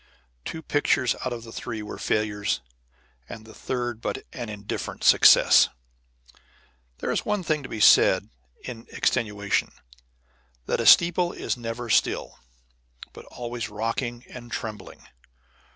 Two pictures out of the three were failures, and the third but an indifferent success. There is one thing to be said in extenuation, that a steeple is never still, but always rocking and trembling.